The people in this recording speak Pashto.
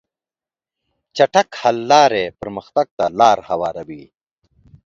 چټک حل لارې پرمختګ ته لار هواروي.